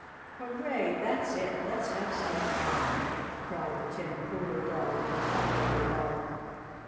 "Hurray! That's it! Let's have some fun!" cried the Tin Poodle Dog, with a funny little bark.